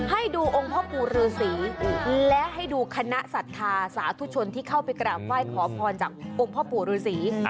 ให้ดูองค์พ่อปู่ฤษีและให้ดูคณะศรัทธาสาธุชนที่เข้าไปกราบไหว้ขอพรจากองค์พ่อปู่ฤษี